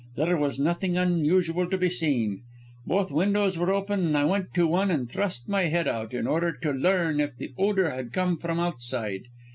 There was nothing unusual to be seen. Both windows were open and I went to one and thrust my head out, in order to learn if the odour came from outside.